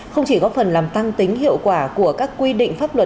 không chỉ góp phần làm tăng tính hiệu quả của các quy định pháp luật